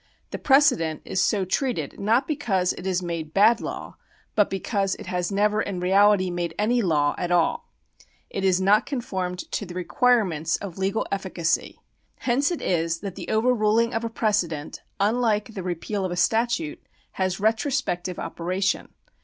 The precedent is so treated not because it has made bad law, but because it has never in reality made any law at all. It has not conformed to the requirements of legal efficacy. Hence it is that the overruling of a precedent, unlike the repeal of a statute, has retrospective operation.